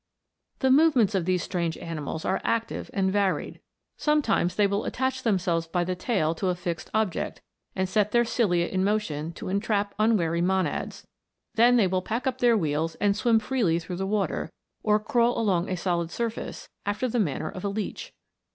The movements of these strange animals are active and varied. Sometimes they will attach themselves by the tail to a fixed object, and set their cilia in motion to entrap un wary monads ; then they will pack up their wheels and swim freely through the water, or crawl along a solid surface after the manner of a leech.